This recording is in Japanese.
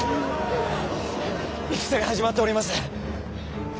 戦が始まっております。